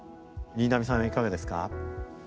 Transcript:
新浪さんはいかがですか。